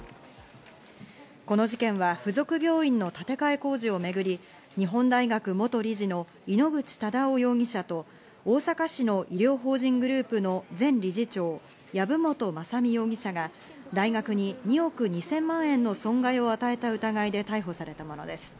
この事件は付属病院の建て替え工事をめぐり、日本大学元理事の井ノ口忠男容疑者と、大阪市の医療法人グループの前理事長・籔本雅巳容疑者が大学に２億２０００万円の損害を与えた疑いで逮捕されたものです。